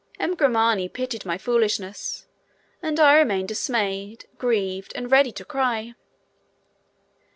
M. Grimani pitied my foolishness, and I remained dismayed, grieved, and ready to cry.